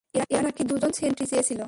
এরা নাকি দু জন সেন্ট্রি চেয়েছিল।